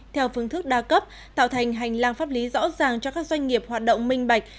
theo phương thức đa cấp tạo thành hành lang pháp lý rõ ràng cho các doanh nghiệp hoạt động minh bạch